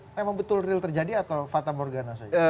emang betul real terjadi atau fatah morgana saja